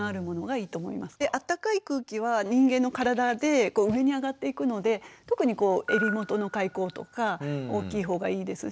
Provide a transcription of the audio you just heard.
あったかい空気は人間の体で上に上がっていくので特に襟元の開口とか大きい方がいいです。